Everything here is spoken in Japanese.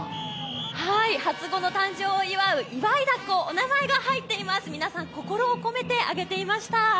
初子の誕生を祝う祝い凧、お名前が入っています、皆さん心を込めて揚げていました。